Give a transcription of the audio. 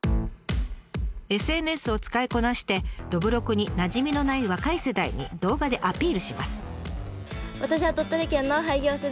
ＳＮＳを使いこなしてどぶろくになじみのない若い世代に動画でアピールします。